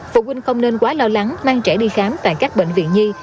phụ huynh không nên quá lo lắng mang trẻ đi khám tại các bệnh viện nhi